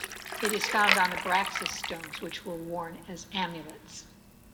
It is found on Abraxas stones, which were worn as amulets.